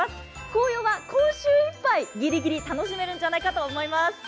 紅葉は今週いっぱい、ギリギリ楽しめるんじゃないかと思います。